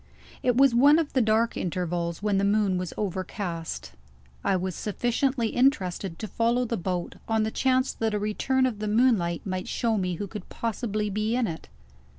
It was one of the dark intervals when the moon was overcast. I was sufficiently interested to follow the boat, on the chance that a return of the moonlight might show me who could possibly be in it.